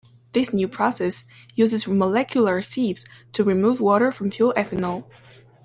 This new process uses molecular sieves to remove water from fuel ethanol.